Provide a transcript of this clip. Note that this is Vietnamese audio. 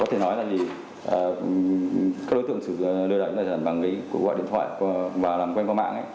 có thể nói là các đối tượng lừa đảo bằng gọi điện thoại và làm quen qua mạng